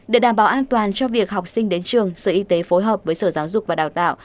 để đảm bảo an toàn cho việc học sinh đến trường sở y tế phối hợp với sở giáo dục và đào tạo